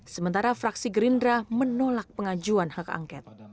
sementara fraksi gerindra menolak pengajuan hak angket